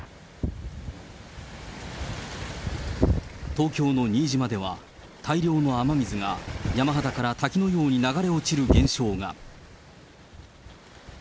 東京の新島では、大量の雨水が山肌から滝のように流れ落ちる現象が。